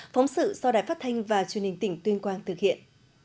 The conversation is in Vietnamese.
phóng sự do đài phát thanh và truyền hình tỉnh tuyên quang thực hiện